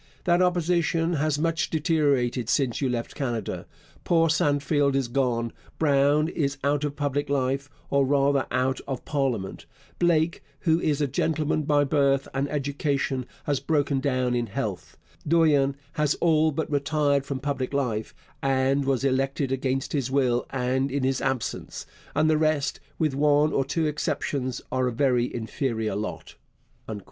That Opposition has much deteriorated since you left Canada. Poor Sandfield is gone; Brown is out of public life, or rather out of Parliament; Blake, who is a gentleman by birth and education, has broken down in health; Dorion has all but retired from public life, and was elected against his will and in his absence; and the rest, with one or two exceptions, are a very inferior lot.